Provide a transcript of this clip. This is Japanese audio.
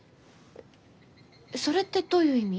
それってどういう意味？